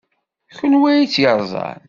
D kenwi ay tt-yerẓan?